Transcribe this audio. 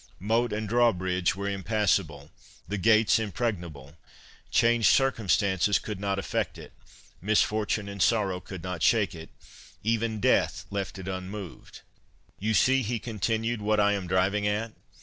Moat and draw bridge were impassable, the gates impregnable. Changed circumstances could not affect it ; mis fortune and sorrow could not shake it ; even death left it unmoved.' ' You see,' he continued, ' what I am driving at